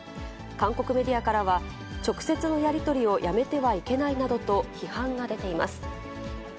韓国メディアからは、直接のやり取りをやめてはいけないなどと批判が出ています。